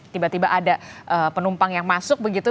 tiba tiba ada penumpang yang masuk begitu